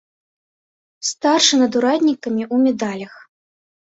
Старшы над ураднікамі, у медалях.